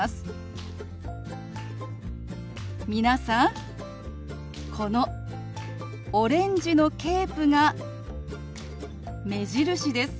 皆さんこのオレンジのケープが目印です。